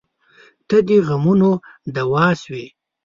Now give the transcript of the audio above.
• ته د غمونو دوا شوې.